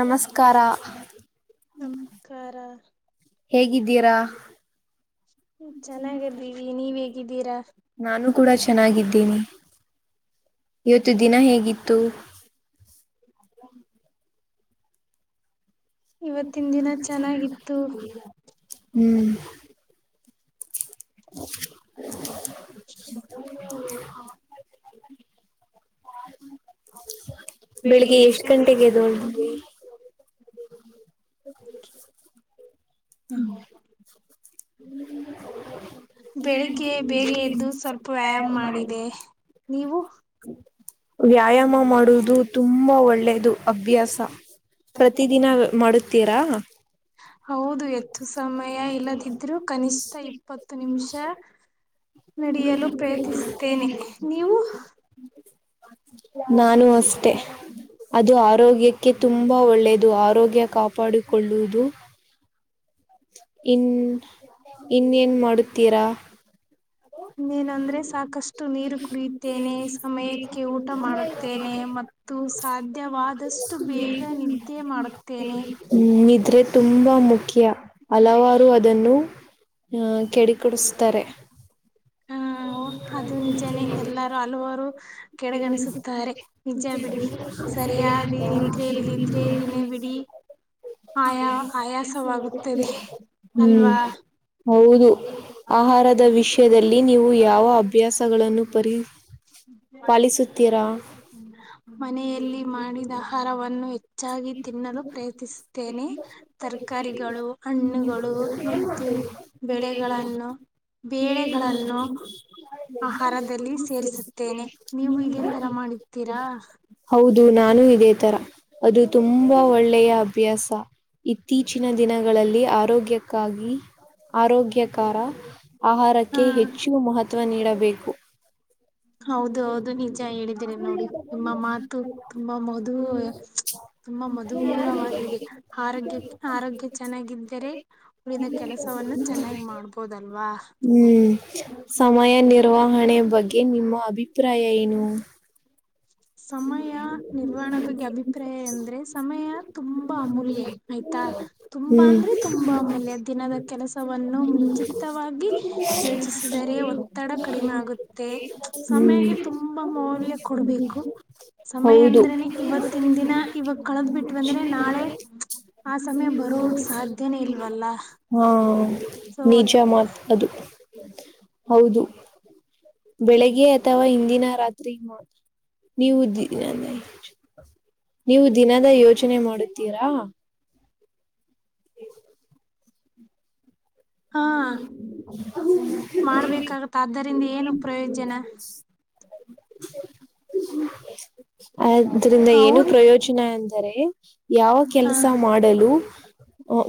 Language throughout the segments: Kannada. ನಮಸ್ಕಾರ ಹೇಗಿದ್ದೀರಾ ಚೆನ್ನಾಗಿದ್ದೀವಿ ನೀವ್ ಹೇಗಿದ್ದೀರಾ ಕೂಡ ಚೆನ್ನಾಗಿದ್ದೇನಿ ಇವತ್ತು ದಿನ ಹೇಗಿತ್ತು ಹ ಹ್ಮ್ [unintelligible] [inaudible] ಬೆಳಿಗ್ಗೆ ಎಷ್ಟ್ ಗಂಟೆಗೆದು ಹ್ಮ ಹ್ಮ ಬೆಳಿಗ್ಗೆ ಬೇಗ ಎಯ ಮಾಡಿ ವ್ಯಾಯಾಮ ಮಾಡುವುದು ತುಂಬಾ ಒಳ್ಳೇದು ಅಭ್ಯಾಸ ಪ್ರತಿದಿನ ಮಾಡುತ್ತೀರಾ ಸಮಯ ಇಲ್ಲದಿದ್ರು ಕನಿಷ್ಠ ಇಪ್ಪತ್ತು ನಿಮಿಷ ನಡೆಯಲು ಪ್ರಯತ್ನಿಸುತ್ತೇನೆ ನೀವು ನಾನು ಅಷ್ಟೆ ಅದು ಆರೋಗ್ಯಕ್ಕೆ ತುಂಬಾ ಒಳ್ಳೇದು ಆರೋಗ್ಯ ಕಾಪಾಡಿಕೊಳ್ಳುವುದು ಇನ್ ಇನ್ನೇನ್ ಮಾಡತೀರಾ ಇನ್ನೇನಂದ್ರೆ ಸಾಕಷ್ಟು ನೀರು ಕುಳಿಯುತ್ತೇನೆ ಸಮಯಕ್ಕೆ ಊಟ ಮಾಡುತ್ತೇನೆ ಮತ್ತೆ ಹ್ಮ ನ್ರ ತುಂಬಾ ಮುಖ್ಯ ಹಲವಾರು ಅದನ್ನು ಅ ಕೆಡ ಕೊಡಿಸ್ತಾರೆ ಅದು ನಿಜಾನೇ ಎಲ್ಲರೂ ಹಲವಾರು ಕೆಡೆಗಣಿಸುತ್ತಾರೆ ನಿಜ ಬಿಡಿ ಸರಿಯಾಗಿ ನಿದ್ರೆ ಇಲ್ದಿದ್ರೆ ದಿನೇ ಬಿಡಿ ಆಯಾ ಆಯಾಸವಾಗುತ್ತದೆ ಅಲ್ವಾ ಹೌದು ಆಹಾರದ ವಿಷಯದಲ್ಲಿ ನೀವು ಯಾವ ಅಭ್ಯಾಸಗಳನ್ನು ಪರಿ ಮನೆಯಲ್ಲಿ ಮಾಡಿದ ಆಹಾರವನ್ನು ಹೆಚ್ಚಾಗಿ ತಿನ್ನಲು ಪ್ರಯತ್ನಿಸುತ್ತೇನೆ ತರಕಾರಿಗಳು ಹಣ್ಣುಗಳು ಮತ್ತು ಬೆಳೆಗಳನ್ನು ಬೇಳೆಗಳನ್ನು ಹೌದು ನ ನಾನು ಇದೇ ತರ ಅದು ತುಂಬಾ ಒಳ್ಳೆಯ ಅಭ್ಯಾಸ ಇತ್ತೀಚಿನ ದಿನಗಳಲ್ಲಿ ಆರೋಗ್ಯಕ್ಕಾಗಿ ಆರೋಗ್ಯಕ ಆಹಾರಕ್ಕೆ ಹೆಚ್ಚು ಮಹತ್ವ ನೀಡಬೇಕು ಹ ಹೌದು ಹೌದು ನಿಜ ಹೇಳಿದ್ದೀರಿ ನೋಡಿ ನಿಮ್ಮ ಮಾತು ತುಂಬಾ ಮದು ತುಂಬಾ ಮಧುರವಾಗಿದೆ ಆರೋಗ್ಯ ಆರೋಗ್ಯ ಚೆನ್ನಾಗಿದ್ದರೆ ಉಳಿದ ಕೆಲಸ ಚೆನ್ನಾಗಿ್ ಮಾಡ್ಬೋದಲ್ವಾ ಸಮಯ ನಿರ್ವಹಣೆ ಬಗ್ಗೆ ನಿಮ್ಮ ಅಭಿಪ್ರಾಯ ಏನು ಸಮಯ ನಿರ್ವಹಣೆ ಬಗ್ಗೆ ಅಭಿಪ್ರಾಯ ಅಂದ್ರೆ ಸಮಯ ತುಂಬಾ ಅಮೂಲ್ಯ ಆಯ್ತು ತುಂಬಾ ಅಂದ್ರೆ ತುಂಬಾ ಅಮೂಲ್ಯ ದಿನದ ಕೆಲಸವನ್ನು ಮುಂಚಿತವಾಗಿ ಯೋಚಿಸಿದರೆ ಒತ್ತಡ ಕಡಿಮೆ ಆಗುತ್ತೆ ಸಮಯಗೆ ತುಂಬಾ ಮೌಲ್ಯ ಕೊಡ್ಬೇಕು ಸಮಯ ಅಂದ್ರೆನೆ ಇವತ್ತಿನ ದಿನ ಇವಾಗ ಕಳದ್ ಬಿಟ್ಟು ಬಂದ್ರೆ ನಾಳೆ ಆ ಸಮಯ ಬರುವುದು ಸಾಧ್ಯನೇ ಇಲ್ವಲ್ಲ ನಿಜ ಮಾತ್ ಅದು ಹೌದು ಬೆಳಿಗ್ಗೆ ಅಥವಾ ಹಿಂದಿನ ರಾತ್ರಿ ಮಾತ್ ನೀವು ದಿನ ನೀವು ದಿನದ ಯೋಚನೆ ಮಾಡುತ್ತೀರಾ ಹಾ ಮಾಡ್ಬೇಕಾಗುತ್ತ ಆದ್ದರಿಂದ ಏನು ಪ್ರಯೋಜನ ಆದ್ರಿಂದ ಏನು ಪ್ರಯೋಜನ ಅಂತ ಸರಿ ಯಾವ ಕೆಲಸ ಮಾಡಲು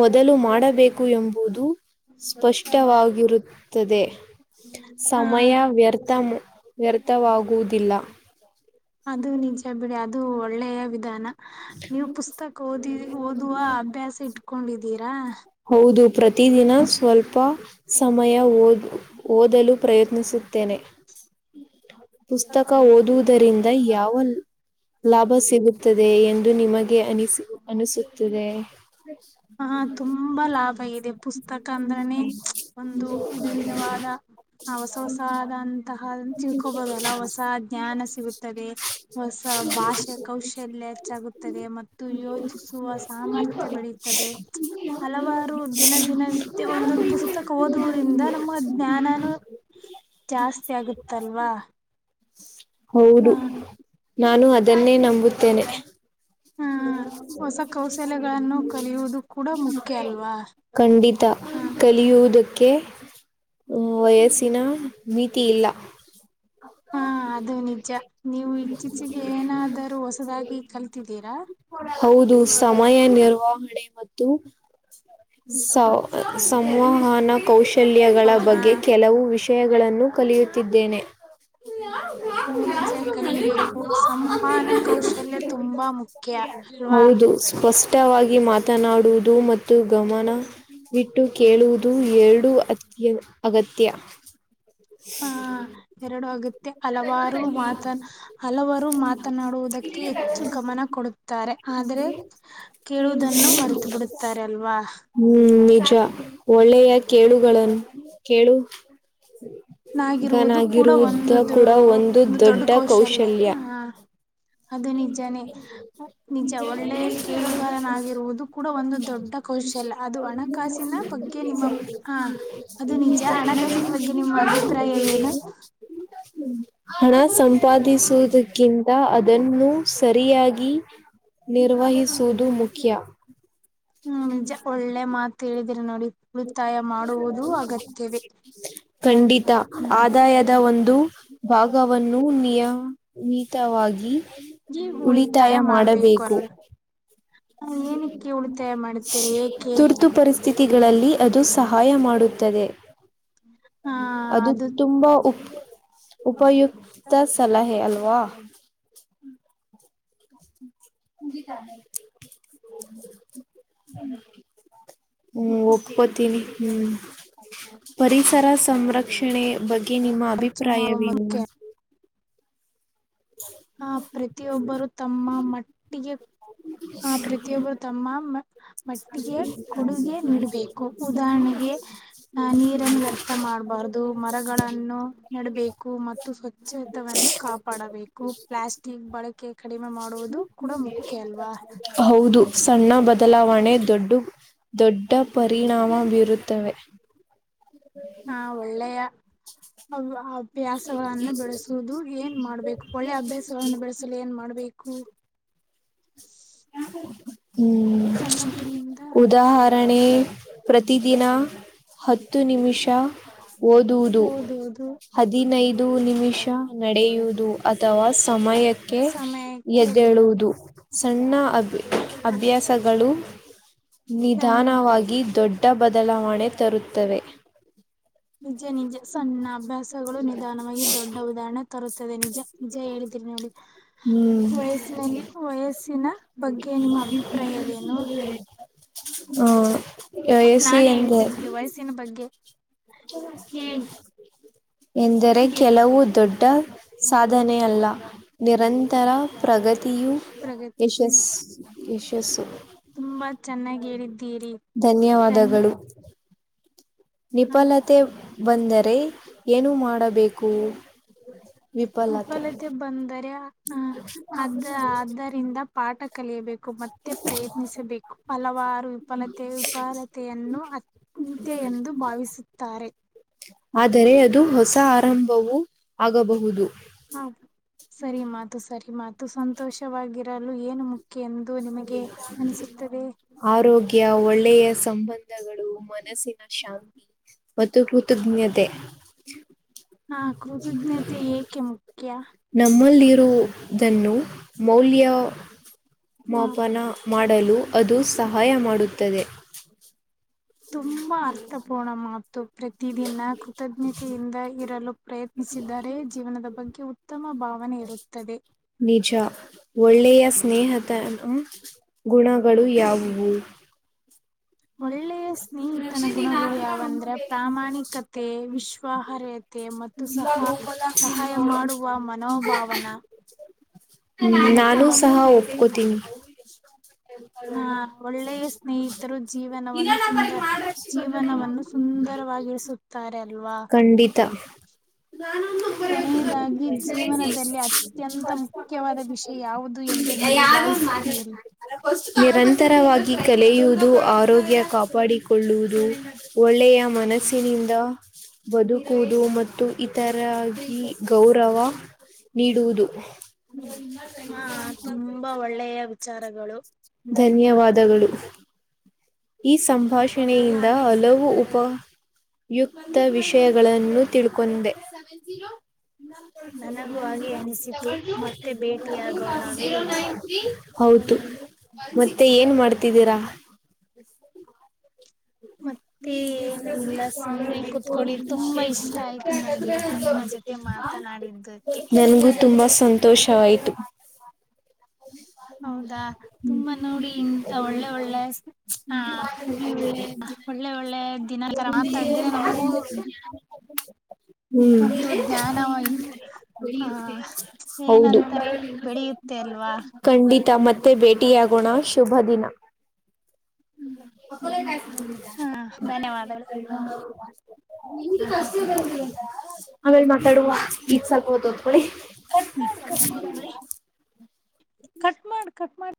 ಮೊದಲು ಮಾಡಬೇಕು ಎಂಬುದು ಸ್ಪಷ್ಟವಾಗಿರುತ್ತದೆ ಸಮಯ ವ್ಯರ್ಥ ವ್ಯರ್ಥ ಮುಕ್ತವಾಗುವುದಿಲ್ಲ ಅದು ನಿಜ ಬಿಡಿ ಅದು ಒಳ್ಳೆಯ ವಿಧಾನ ಹೌದು ಪ್ರ ಪ್ರತಿದಿನ ಸ್ವಲ್ಪ ಸಮಯ ಓದ ಓದಲು ಪ್ರಯತ್ನಿಸುತ್ತೇನೆ ಹ ಪುಸ್ತಕ ಓದುವುದರಿಂದ ಯಾವ ಲಾಭ ಸಿಗುತ್ತದೆ ಎ ನಮಗೆ ಅನಿಸ ಅನಿಸುತ್ತದೆ ಹ ತುಂಬಾ ಲಾಭ ಇದೆ ಪುಸ್ತಕ ಅಂದ್ರನೇ ಒಂದು ವಿಧ ವಿಧವ ಹೊಸ ಹೊಸಾದಂತಹ ತಿಳ್ಕೋಬಹುದಲ್ಲ ಹೊಸ ಜ್ಞಾನ ಸಿಗುತ್ತದೆ ಹೊಸ ಭಾಷೆ ಕೌಶಲ್ಯ ಹೆಚ್ಚಾಗುತ್ತೆ ಮತ್ತು ಯೋಚಿಸುವ ಸಾಮರ್ಥ್ಯ ಬೆಳೆಯುತ್ತದೆ ಹಲವಾರು ದಿನ ದಿನ ವತ್ಯ ಒಂದೊಂದು ಪುಸ್ತಕ ಓದುವುದರಿಿಂದ ನಮ್ಮ ಜ್ಞಾನಾನ ಜಾಸ್ತಿ ಆಗುತ್ತಲ್ವಾ ಹೌದು ನಾನು ಅದನ್ನೇ ನಂಬುತ್ತೇನೆ ಖಂಡಿತ ಕಲಿಯುವುದಕ್ಕೆ ವಯಸ್ಸಿನ ಮೀತಿ ಇಲ್ಲ ಹೌ ಹ್ಮ್ ಹೌದು ಸಮಯ ನಿರ್ವಹಣೆ ಮತ್ತು ವಾಹನ ಕೌಶಲ್ಯಗಳ ಬಗ್ಗೆ ಕೆಲವು ವಿಷಯ ವಿಷಯಗಳನ್ನು ಕಲಿಯುತ್ತಿದ್ದೇನೆ ಹೌದು ಅದು ಸ್ಪಷ್ಟವಾಗಿ ಮಾತ್ರ ಮಾತನಾಡುವುದು ಮತ್ತು ಗಮನ ಬಿಟ್ಟು ಕೇಳುವುದು ಎರಡು ಅತ್ಯ ಅಗತ್ಯ ಹ ಎರಡು ಆಗುತ್ತೆ ಹಲವಾರು ಮಾತ ಹಲವಾರು ಮಾತನಾಡುವುದಕ್ಕೆ ಹೆಚ್ಚು ಗಮನ ಕೊಡುತ್ತಾರೆ ಆದ್ರರೆ ಕೇಳುವುದನ್ನು ಮರೆತು ಬಿಡುತ್ತಾರೆ ಅಲ್ವಾ ಹ್ಮ್ ನಿಜ ಒಳ್ಳೆಯ ಕೇಳುಗಳನ್ನು ಕೇಳು ಹ್ಮ ನಾಗಿರುವುದು ಕೂಡ ಒಂದು ಒಂದು ದೊಡ್ಡ ಕೌಶಲ್ಯ ಹ ಅದು ನಿಜನೇ ನಿಜ ಒಳ್ಳೆಯ ಕೇಳುಗಾರನಾಗಿರುವುದು ಕೂಡ ಒಂದು ದೊಡ್ಡ ದೊಡ್ಡ ಕೋಶ ಅಲ್ಲ ಅದು ಹಣಕಾಸಿನ ಬಗ್ಗೆ ನಿಮ್ಮ ಹ ಅದು ನಿಜ ಹಣಕಾಸಿನ ಬಗ್ಗೆ ನಿಮ್ಮ ಅಭಿ ಅಭಿಪ್ರಾಯವೇನು ಹಣ ಸಂಪಾದಿಸುವುದಕ್ಕಿಂತ ಅದನ್ನು ಸರಿಯಾಗಿ ನಿರ್ವಹಿಸುವುದು ಮುಖ್ಯ ಹ್ಮ್ ಒಳ್ಳೆ ಮಾತ್ು ಹೇಳಿದಿರಿ ನೋಡಿ ಖಂಡಿತ ಆದಾಯದ ಒಂದು ಇದು ಭಾಗವನ್ನು ನಿಯಮಿತವಾಗಿ ಉಳಿತಾಯ ಮಾಡಬೇಕು ತುರ್ತು ಪರಿಸ್ಥಿತಿ ಗಳಲ್ಲಿ ಅದು ಸಹಾಯ ಮಾಡುತ್ತದೆ ಅದು ತುಂಬಾ ಉ ಉಪಯುಕ್ತ ಸಲಹೆ ಅಲ್ವಾ [inaudible] ಹ್ಮ್ ಒ್ಕೋತೀನಿ ಹ್ಮ್ ಪರಿಸರ ಸಂರಕ್ಷಣೆ ಬಗ್ಗೆ ನಿಮ್ಮ ಅಭಿಪ್ರಾಯವೇನು ಆ ಪ್ರತಿಯೊಬ್ಬರೂ ತಮ್ಮ ಮಟ್ಟಿಗೆ ಆ ಪ್ರತಿಯೊಬ್ರು ತಮ್ಮ ಮ ಮಟ್ಟಿಗೆ ಕೊಡುಗೆ ನೀಡಬೇಕು ಉದಾಹರಣೆಗೆ ಆ ನೀರನ್ನು ವ್ಯರ್ಥ ಮಾಡಬಾರದು ಮರಗಳನ್ನು ನೆಡಬೇಕು ಮತ್ತು ಸ್ವಚ್ಛ ಕಾಪಾಡಬೇಕು ಪ್ಲಾಸ್ಟಿಕ್ ಬಳಕೆ ಕಡಿಮೆ ಮಾಡುವುದು ಕೂಡ ಮುಖ್ಯ ಅಲ್ವಾ ಹೌದು ಸಣ್ಣ ಬದಲಾವಣೆ ದೊಡ್ಡ ದೊಡ್ಡ ಪರಿಣಾಮ ಬೀರುತ್ತವೆ ಹಾ ಒಳ್ಳೆಯ ಅಭ್ಯಾಸಗಳನ್ನು ಬೆಳೆಸುದು ಏನ್ ಮಾಡ್ಬೇಕು ಒಳ್ಳೆ ಅಭ್ಯಾಸಗಳನ್ನು ಬೆಳೆಸಲು ಏನ್ ಮಾಡ್ಬೇಕು ಹು ಹ್ಮ್ ಉದಾಹರಣೆ ಪ್ರತಿಿದಿನ ಹತ್ತು ನಿಮಿಷ ಓದುವುದು ಹದಿನೈದು ನಿಮಿಷ ನಡೆಯುವುದು ಅಥವಾ ಸಮಯಕ್ಕೆ ಎದ್ದೇಳುವುದು ಸಣ್ಣ ಅಬ್ಿ ಅಭ್ಯಾಸಗಳು ನಿಧಾನವಾಗಿ ದೊಡ್ಡ ಬದಲಾವಣೆ ತರುತ್ತವೆ ನಿಜ ನಿಜ ಸಣ್ಣ ಅಭ್ಯಾಸಗಳು ನಿಧಾನವಾಗಿ ದೊಡ್ಡ ಉದಾಹರಣೆ ತರುತ್ತದೆ ನಿಜ ನಿಜ ಹೇಳ ತಿನೋಡಿ ವಯಸ್ಸಿನಲ್ಲಿ ವಯಸ್ಸಿನ ಬಗ್ಗೆ ನಿಮ್ಮ ಅಭಿಪ್ರಾಯವೇನು ಹ್ಮ ನಾನೇ ಹೇಳ್ತೀನ್ಿ ಬಿಡು ವಯಸ್ಸಿನ ಬಗ್ಗೆ ಹ್ಮ ಎಂದರೆ ಕೆಲವು ದೊಡ್ಡ ಸಾಧನೆ ಅಲ್ಲ ನಿರಂತರ ಪ್ರಗತಿ ತಯು ಯಶಸ್ು ಯಶಸ್ಸು ತುಂಬಾ ಚೆನ್ನಾಗ ಹೇಳಿದ್ದೀರಿ ತನ್ನಿ ನಿಫಲತೆ ಬಂದರೆ ಏನು ಮಾಡಬೇಕು ವಿಫಲತೆ ಬಂದರೆ ಅ ಆದ್ದರಿಂದ ಪಾಠ ಕಲಿಯಬೇಕು ಮತ್ತೆ ಪ್ರಯತ್ನಿಸಬೇಕು ಹಲವಾರು ವಿಫಲತೆ ವಿಫಲತೆಯನ್ನು ಅಂತ್ಯ ಎಂದು ಭಾವಿಸುತ್ತಾರೆ ಆದರೆ ಅದು ಹೊಸ ಆರಂಭವೂ ಆಗಬಹುದು ಹ ಸರಿ ಮಾತು ಸರಿ ಮಾತು ಸಂತೋಷವಾಗಿರಲು ಏನು ಮು ಕ ಎಂದು ನಿಮಗೆ ಅನಿಸುತ್ತದೆ ಒಳ್ಳೆಯ ಸಂಬಂಧಗಳು ಮನಸ್ಸಿಗೆ ಶಾಂತಿ ಮತ್ತು ಕೃತಜ್ಞತೆ ನಮ್ಮಲ್ಲಿರುವುದನ್ನು ಮೌಲ್ಯ ಮಾಾಪನ ಮಾಡಲು ಅದು ಸಹಾಯ ಮಾಡುತ್ತದೆ ತುಂಬಾ ಅರ್ಥಪೋಣ ಮಾತು ಿದಿನ್ನ ಕೃತಜ್ಞತೆಯಿಂದ ಇರಲು ಪ್ರಯತ್ನಿಸಿದ್ದಾರೆ ಜೀವನದ ಬಗ್ಗೆ ನಿಜ ಒಳ್ಳೆಯ ಸ್ನೇಹದ ಗುಣಗಳು ಯಾವುವು ರಶ ನ ನಿ ಗೋೋಗಲ ಹ್ಮ್ ನಾನು ಸಹ ಒಪ್ಕೋತೀನಿ ಖಂಡಿತ ಸದಾನ ಕೊನೆಯದಾಗಿ ಜೀವನದಲ್ಲಿ ಅತ್ಯಂತ ಮುಖ್ಯವಾದ ವಿಷಯ ಯಾವುದು ಎಂದು ನೀವು ಭಾವಿಸ ಸರಿ ನಿರಂತರವಾಗಿ ಕಲೆಯುವ ಆರೋಗ್ಯ ಕಾಪಾಡಿಕೊಳ್ಳುವುದು ಒಳ್ಳೆಯ ಮನಸ್ಸಿನಿಂದ ಬದುಕುವುದು ಮತ್ತು ಇತರಾಗಿ ಗೌರವ ನೀಡುವುದು ಹ್ಮ್ ಹಾ ತುಂಬಾ ಒಳ್ಳೆಯ ವಿಚಾರಗಳು ಧನ್ಯವಾದಗಳು ಈ ಸಂಭಾಷಣೆಯಿಂದ ಹಲವು ಉಪ ಯುಕ್ತ ವಿಷಯಗಳನ್ನು ತಿಳ್ಕೊಂಡೆ ಜೀರೋ ನೈನ್ ಹೌದು ಮತ್ತೆ ಏನ್ ಮಾಡ್ತಿದ್ದೀರಾ ಹ ನನಗೂ ತುಂಬಾ ಸಂತೋಷವಾಯಿತು ಹ ಹೌಂತ ನೋಡಿ ಒ ಒಂದು ಜ್ಞಾನ ಹಾ ಏನಂತಾರೆ ಬೆಳೆಯುತ್ತೆ ಅಲ್ವಾ ಮತ್ತೆ ಭೇಟಿಯಾಗೋಣ ಶುಭ ದಿನ ಹ್ಮ್ ಅಲ ಕಾಯ್ತ ಧನ್ಯವಾದಗಳು ನಿಮಂತು ಕಷ್ಟ ಇದೆಗೆ ಆಮೇಲೆ ಮಾತಾಡುವ ಈಗ ಸ್ವಲ್ಪ ಓದ್ಕೊಳ್ಳಿ ಕಟ್ ಮಾಡು ಕಟ್ ಮಾಡು